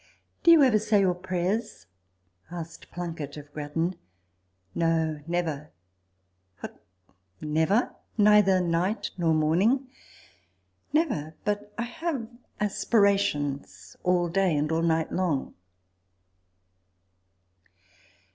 " Do you ever say your prayers ?" asked Plunkett of Grattan. " No, never." " What, never ! neither night nor morning ?"" Never : but I have aspirations all day and all night long."